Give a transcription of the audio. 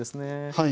はい。